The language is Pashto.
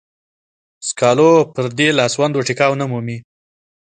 سکالو پردې لاسوندو ټيکاو نه مومي.